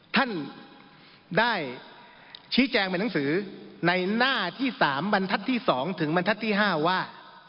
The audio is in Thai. ท่านได้ชี้แจงเป็นหนังสือในหน้าที่๓บรรทัศน์ที่๒ถึงบรรทัศน์ที่๕ว่า